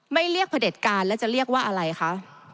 ไม่เรียกเผด็จการแล้วจะเรียกว่าอะไรคะ